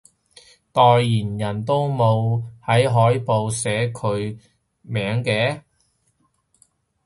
代言人都冇喺海報寫佢名嘅？